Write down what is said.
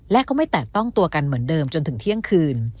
และก็ไม่แตะต้องตัวกันเหมือนเดิมจนถึงเที่ยงคืน